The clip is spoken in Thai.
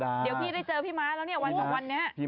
เดี๋ยวพี่ได้เจอพี่มาแล้วเนี่ยวันเนี่ย